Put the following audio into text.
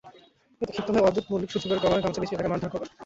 এতে ক্ষিপ্ত হয়ে ওয়াদুদ মল্লিক সজীবের গলায় গামছা পেঁচিয়ে তাকে মারধর করেন।